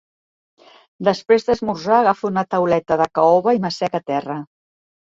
Després d'esmorzar agafo una tauleta de caoba i m'assec a terra.